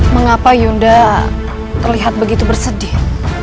mengapa yunda terlihat begitu bersedih